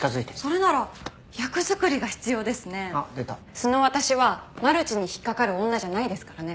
素の私はマルチに引っかかる女じゃないですからね。